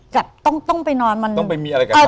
แต่ต้องไปนอนต้องไปมีอะไรกับเขา